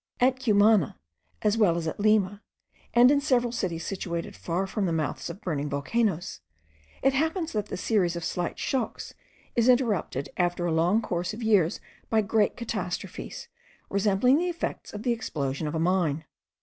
At Cumana, as well as at Lima, and in several cities situated far from the mouths of burning volcanoes, it happens that the series of slight shocks is interrupted after a long course of years by great catastrophes, resembling the effects of the explosion of a mine.